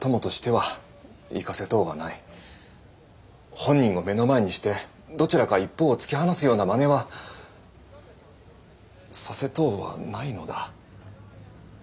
本人を目の前にしてどちらか一方を突き放すようなまねはさせとうはないのだ。